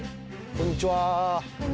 こんにちは。